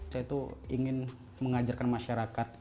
saya tuh ingin mengajarkan masyarakat